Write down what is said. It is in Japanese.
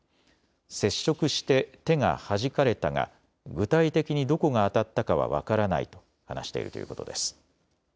接触して手がはじかれたが具体的にどこが当たったかは分からないと話しているということです。